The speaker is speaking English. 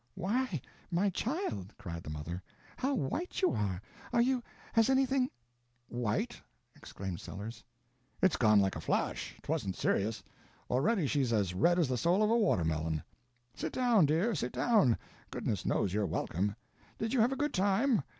"Why, my child," cried the mother, "how white you are! Are you—has anything—" "White?" exclaimed Sellers. "It's gone like a flash; 'twasn't serious. Already she's as red as the soul of a watermelon! Sit down, dear, sit down—goodness knows you're welcome. Did you have a good time?